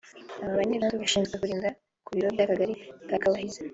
Aba banyerondo bashinzwe kurinda ku biro by’Akagari k’Akabahizi